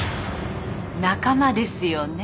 仲間ですよねえ？